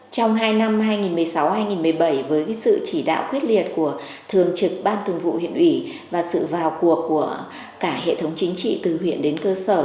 trong hai năm hai nghìn một mươi sáu hai nghìn một mươi bảy với sự chỉ đạo quyết liệt của thường trực ban thường vụ huyện ủy và sự vào cuộc của cả hệ thống chính trị từ huyện đến cơ sở